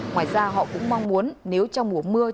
ngoài ra họ cũng mong muốn nếu trong mùa mưa